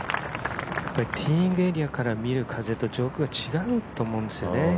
ティーイングエリアから見る風と上空は違うと思うんですね。